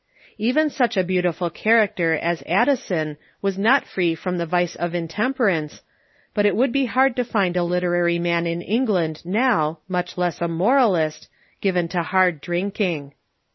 Even such a beautiful character as Addison was not free from the vice of intemperance, but it would be hard to find a literary man in Englaiid now, much less a moralist, given to hard drinking.